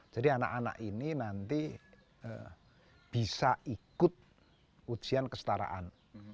jadi anak anak ini nanti bisa ikut ujian kestaraan